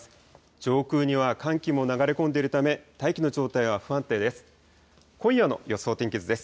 上空には寒気も流れ込んでいるため、大気の状態は不安定です。